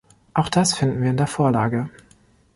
Auch das finden wir in der Vorlage.